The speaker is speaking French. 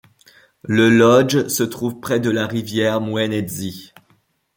Le lodge se trouve près de la rivière Mwenezi.